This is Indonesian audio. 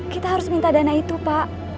kita harus minta dana itu pak